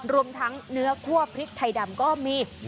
รวมทั้งเนื้อคั่วพริกไทยดำก็มี